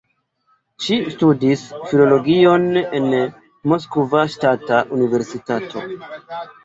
Ŝi studis filologion en Moskva Ŝtata Universitato.